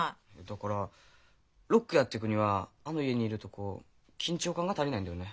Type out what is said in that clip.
だからロックやってくにはあの家にいるとこう緊張感が足りないんだよね。